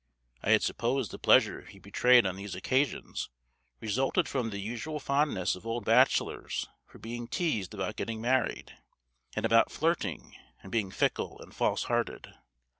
I had supposed the pleasure he betrayed on these occasions resulted from the usual fondness of old bachelors for being teased about getting married, and about flirting, and being fickle and false hearted.